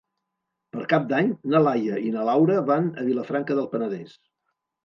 Per Cap d'Any na Laia i na Laura van a Vilafranca del Penedès.